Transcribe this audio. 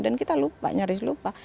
dan kita lupa nyaris lupa